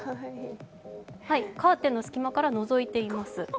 カーテンの隙間からのぞいています。